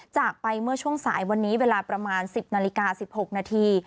จากไปเมื่อช่วงสายวันนี้เวลาประมาณ๑๐นาฬิกา๑๖นาที